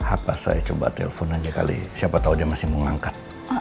apa saya coba telepon aja kali siapa tau dia masih mau ngangkat